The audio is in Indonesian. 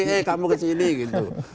eh kamu kesini gitu